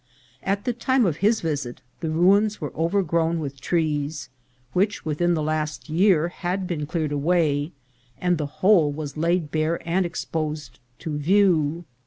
At the time of his visit the ruins were overgrown with trees, which within the last year had been cleared away, and the whole was laid bare and exposed to view.